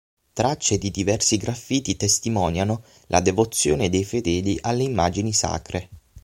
Tracce di diversi graffiti testimoniano la devozione dei fedeli alle immagini sacre.